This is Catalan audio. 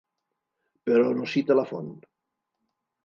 Però no cita la font.